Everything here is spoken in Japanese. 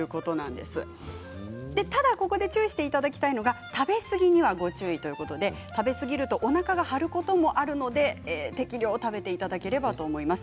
でただここで注意していただきたいのが食べ過ぎにはご注意ということで食べ過ぎるとおなかが張ることもあるので適量を食べていただければと思います。